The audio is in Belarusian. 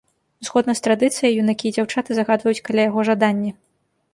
Згодна з традыцыяй, юнакі і дзяўчаты загадваюць каля яго жаданні.